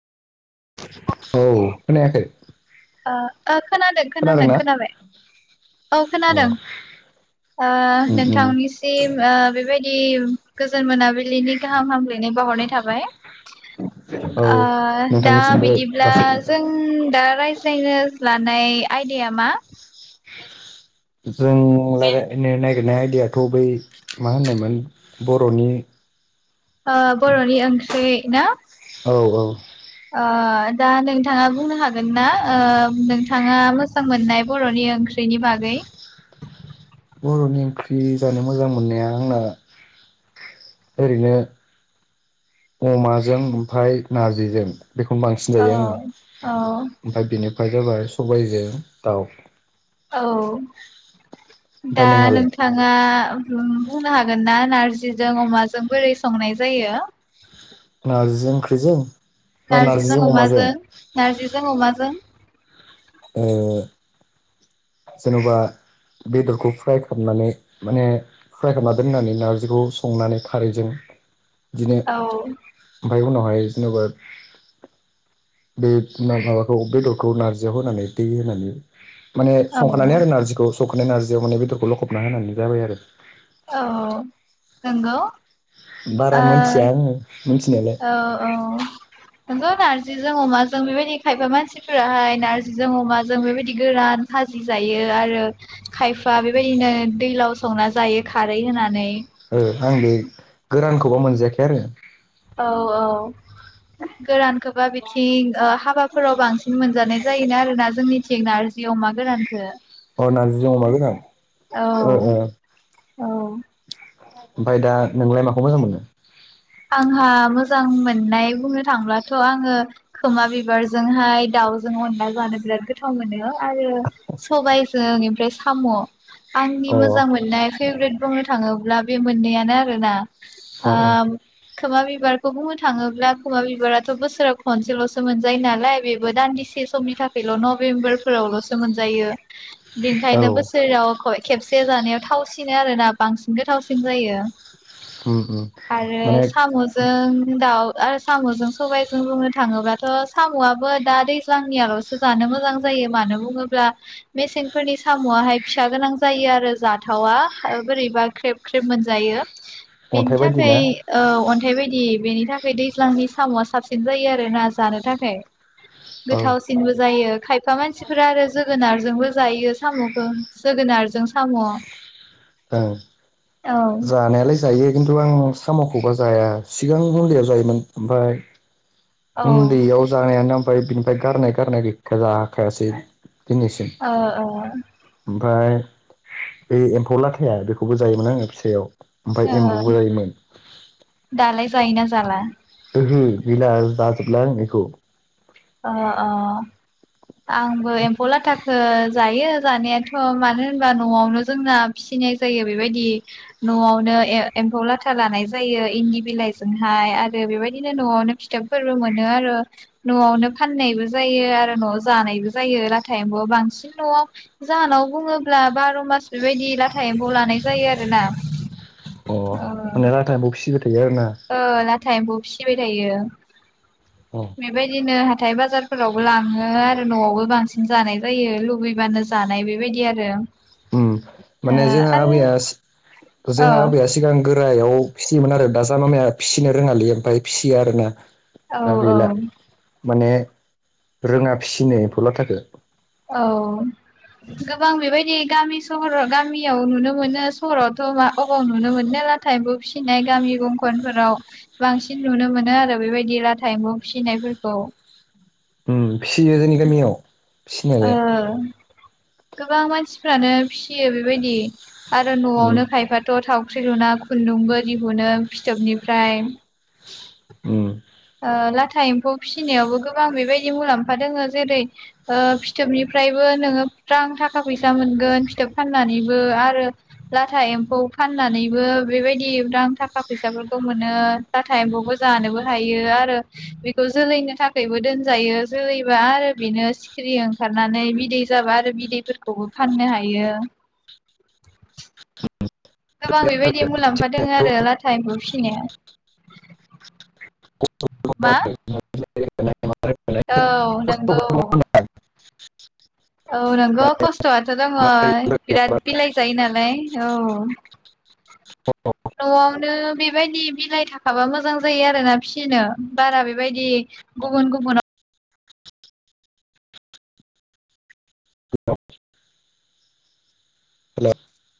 औ खोनायाखै आ ओ खोनादों खोनादों खोनादोंना खोनाबाय औ अ खोनादों ओ उम उम नोंथांनिसिम ओ बेबायदि गोजोन मोनाबि लिनि गाहाम हामलायनाय बावहरनाय थाबाय औ आ दा नोंथांनिसिमबो बिदिब्ला जासिहरनाय जों दा रायज लानाय आयदाया मा थाबाय जों रायलायनो नागिरनाय दायाथ बै मा होननायमोन बरनि ओ बरनि ओंख्रि ना औ औ ओ दा नोंथाङा बुंनो हागोन ना ओ नोंथाङा मोजां मोननाय बरनि ओंख्रि बिनि बागै [inaudible] बरनि ओंख्रि जानो मोजां मोननाया आंना ओरैनो अमाजों ओमफाय नारजिजों बेखौनो बांसिन औ जायो आङो औ ओमफाय बेनिफाय जाबाय सबाइजों दाउ औ ओमफ्राय दा नोंहालाय नोंथाङा बुंनो हागोन ना नारजिजों अमाजों बोरै संनाय जायो नारजिजों ओंख्रिजों नारजिजों अमाजों नारजिजों अमाजों ओ जेनबा बेदरखौ फ्राय खालामनानै माने फ्राय खालामना दोननानै नारजिखौ संनानै खारैजों [inaudible] औ फाय उनावहाय जेनबा बे माबा माबाखौ बेदरखौ नारजियाव होनानै दै होनानै माने औ संखानानै आरो नारजिखौ संखानाय नारजियाव माने बेदरखौ लखबना होनानै जाबाय आरो औ नंगौ बारा ओ मोनथिया आङो मिथिनायालाय औ औ नोंगौ नारजिजों अमाजों बेबायदि खायबा मानसिफ्राहाय नारजिजों अमाजों बेबायदि गोरान जि जायो आरो खायफा बेबायदिनो दैलाव संना जायो खारै होनानै ओ आं बे गोरानखौबा मोनजायाखै आरो औ औ [inaudible] गोरानखोबा बिथिं ओ हाबाफोराव बांसिन मोनजानाय जायोना आरोना जोंनिथिं नार जि अमा गोरानखो अ नारजिजों अमा गोरान औ औ ओमफाय दा नोंलाय माखौ मोजां मोनो आंहा मोजां मोननाय बुंनो थांब्लाथ आङो खोमा बिबारजोंहाय दाउज जों अनला जानो बिराद गोथाव मोनो आरो सबबायजों ओमफ्राय साम'। आंनि अ मोजां मोननाय फेभरेट बुंनो थाङोब्ला बे मोननैयानो आरोना। अ आ खोमा बिबारखौ बुंनो थाङोब्ला खोमा बिबाराथ' बोसोराव खनसेल'सो मोनजायो नालाय बेबो दान्दि इसे समनि थाखायल' नभेम्बरफोरावल'सो मोनजायो। अ औ बेनिखायनो बोसोराव खेबसे से जानायाव थावसिनो आरोोना बांसिनखौ थावसिन जायो। उम-उम आरो माने साम'जों दा आरो साम'जों सबायजों बुंनो थाङोबाथ' साम'आबो दा दैज्लांनियाल'सो जानो मोजां जायो मानो बुङोब्ला मेसेंफोरनि साम'आाहाय फिसा गोनां जायो आरो जाथावा बोरैबा ख्रेब ख्रेब मोनजायो। बेनि अन्थाइ बायदि थाखाय ना? औ अन्थाइ बायदि बेनि थाखाय दैज्लांनि साम'आ साबसिन जायो आरो ना जानो थाखाय। औ गोथावसिनबो जायो खायफा मानसिफोरा आरो जोगोनारजोंबो जायो साम'खौ जोगोनारजों साम' औ औ औ जानायालाय जायो खिन्थु आं साम'खौबा जाया सिगां उन्दैयाव जायोमोन ओमफ्राय ओ उन्दैयाव जानायानो ओमफ्राय बिनिफ्राय गारनाय गारनाय गैखा जाखायासै। दिनैसिम ओ ओ ओमफ्राय बे एम्फौ लाथाया बेखौबो जायोमोन आङो फिसायाव। ओमफ्राय एम्बौबो जायोमोन। दालाय जायोना जाला? ओहो गैला जाजोब्ला आं एखौ। अ-अ आंबो एम्फौ लाथाखो जायो जानायाथ' मानो होनबा न'आवनो जोंना फिसिनाय जायो बेबायदि न'आवनो एम्फौ लाथा लानाय जायो इन्दि बिलाइजोंहाय आरो बेबायदिनो न'आवनो फिथोब फोरबो मोनो आरो न'आवनो फाननायबो जायो आरो न'आव जानायबो जायो लाथा एमफौवा बांसिन न'आव जाहानाव बुङोब्ला ब्ला बार' मास बेबायदि लाथा एम्फौ लानाय जायो आरोना। अ ओ माने लाथा एमफौ फिसिबाय थायो आरो ना ओ लाथा एम्फौ फिसिबाय थायो अ बेबायदिनो हाथाइ बाजारफोरावबो लाङो आरो न'आवबो बांसिन जानाय जायो लुबैबानो जानाय बेबायदि आरो। ओम माने जोंहा आबैया ओ आरो ओ जोंहा आबैया सिगां गोरायाव फिसियोमोन आरो दाजा मामाया फिसिनो रोङालै ओमफाय फिसियो आरोना। दा औ गैला माने रोङा फिसिनो एम्फौ लाथाखो। औ गोबां बेबायदि गामि सहराव गामियाव नुनो मोनो सहरावथ' मा अबाव नुनो मोननो। लाथा एफौ फिसिनाय गामि गंखनफोराव बांसिन नुनो मोनो आरो बेबायदि लाथा इमफौ फिसि नायफोरखौ। उ फिसियो जोंनि गामियाव। ओ फिसिनायालाय गोबां मानसिफ्रानो फियो बेबायदि। आरो उम न'आवनो खायफाथ' थाव ख्रि लुना खुन्दुंबो दिहुनो फिथोबनिफ्राय। उम ओ लाथा एम्फौ फिसिनायावबो गोबां बेबायदि मुलाम्फा दङो जेरै फिथोबनिफ्रायबो नोङो थाखा फैसा मोनगोन फिथोब फाननानैबो आरो लाथा एमौ फाननानै नैबो बेबायदि रां थाखा फैसाफोरखौ मोनो लाथा एम्फौबो जानोबो हायो। आरो बेखौ जोलैनो थाखायबो दोनजायो जोलैबा आरो बेनो सिखिरि ओंखारना नानै बिदै जाबा आरो बिदैफोरखौबो फाननो हायो। [inaudible] गोबां बेबायदि मुलाम्फा दोङो आरो लाथा एम्फौ फिसिनाया। मा औ नंगौ [unintelligible] औ नोंगौ खस्थआथ' दङ बिराद बिलाइ जायो नालाय औ औ नो बेबायदि बिलाइ थाखाबा मोजां जायो आरोना फिसिनो बारा बेबायदि गुबुन गुबुन [unintelligible] [unintelligible] हेलौ